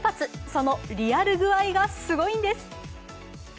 そのリアルぐあいがすごいんです。